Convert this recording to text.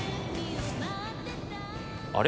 あれ？